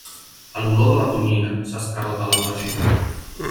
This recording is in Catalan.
A l'olor de la tonyina s'escarota l'albergina.